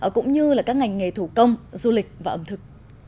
cũng như là các ngành nghề thủ công du lịch và ẩm thực